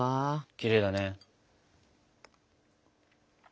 きれいだね。